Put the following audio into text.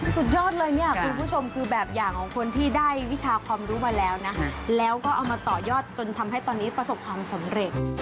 สุดยอดเลยเนี่ยคุณผู้ชมคือแบบอย่างของคนที่ได้วิชาความรู้มาแล้วนะแล้วก็เอามาต่อยอดจนทำให้ตอนนี้ประสบความสำเร็จ